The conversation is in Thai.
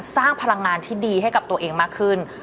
สร้างพลังงานที่ดีให้กับตัวเองมากขึ้น